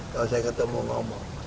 kalau saya ketemu ngomong